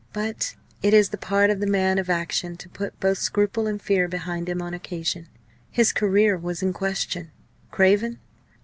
But it is the part of the man of action to put both scruple and fear behind him on occasion. His career was in question. Craven?